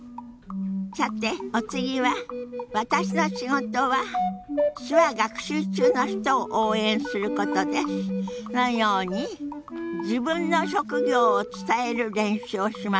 さてお次は「私の仕事は手話学習中の人を応援することです」のように自分の職業を伝える練習をしますよ。